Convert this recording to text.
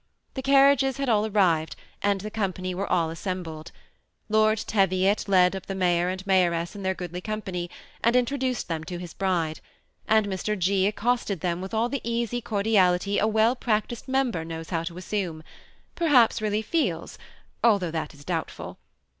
Th6 car riages had all arrived, and the company were all assem bled. Lord Teviot led up the mayor and mayoress aod their goodly company, and introduced them to his bride; and Mr. G. accosted them all with the easy cordiality a well practised member knows how to assume — per haps really feels, though that is doubtful.